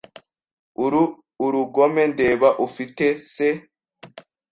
uru Urugomo ndeba ufite se